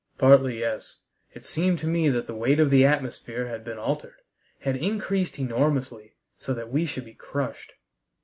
"Partly, yes. It seemed to me that the weight of the atmosphere had been altered had increased enormously, so that we should be crushed."